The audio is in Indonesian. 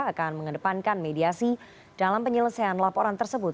akan mengedepankan mediasi dalam penyelesaian laporan tersebut